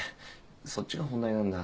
そっちが本題なんだ。